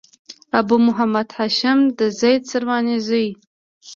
ابو محمد هاشم د زيد سرواني زوی.